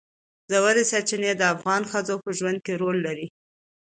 ژورې سرچینې د افغان ښځو په ژوند کې رول لري.